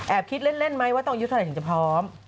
คิดเล่นไหมว่าต้องอายุเท่าไหร่ถึงจะพร้อม